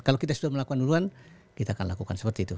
kalau kita sudah melakukan duluan kita akan lakukan seperti itu